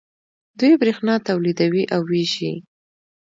دوی بریښنا تولیدوي او ویشي.